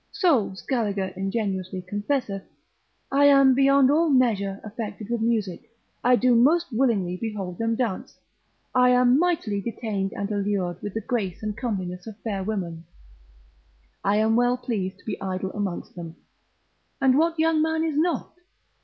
So Scaliger ingenuously confesseth, exercit. 274. I am beyond all measure affected with music, I do most willingly behold them dance, I am mightily detained and allured with that grace and comeliness of fair women, I am well pleased to be idle amongst them. And what young man is not?